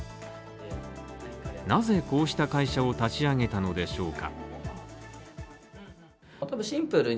なぜこうした会社を立ち上げたのでしょうか？